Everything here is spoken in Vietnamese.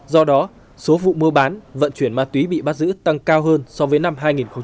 do đó số vụ mua bán vận chuyển ma túy bị bắt giữ tăng cao hơn so với năm hai nghìn một mươi tám